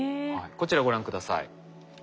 こちらご覧下さい。